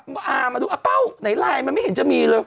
มาดูไหนลายมันไม่เห็นมีเลย